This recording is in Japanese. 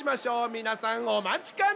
皆さんお待ちかね。